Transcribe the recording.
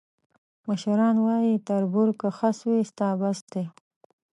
مشران وایي: تربور که خس وي، ستا بس دی.